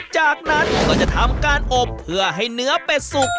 จากนั้นก็จะทำการอบเพื่อให้เนื้อเป็ดสุก